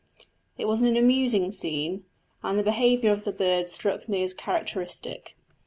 It was an amusing scene, and the behaviour of the bird struck me as characteristic.